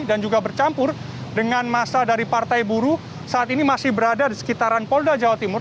dan juga bercampur dengan masa dari partai buruh saat ini masih berada di sekitaran polda jawa timur